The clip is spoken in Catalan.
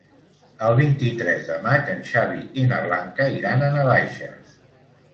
El vint-i-tres de maig en Xavi i na Blanca iran a Navaixes.